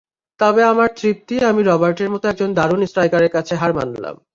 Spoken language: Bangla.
তবে আমার তৃপ্তি আমি রবার্টের মতো একজন দারুণ স্ট্রাইকারের কাছে হার মানলাম।